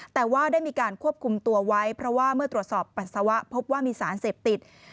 แต่ว่าได้มีการควบคุมตัวไว้เพราะว่าเมื่อตรวจสอบปัสสาวะพบว่ามีสารเสพติด